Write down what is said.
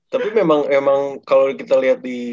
tapi memang kalo kita liat di